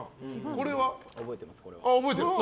これは覚えてます。